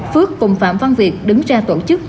phước cùng phạm văn việt đứng ra tổ chức